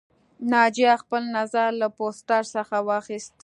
ناجیه خپل نظر له پوسټر څخه واخیست